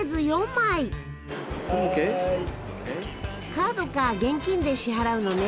カードか現金で支払うのね。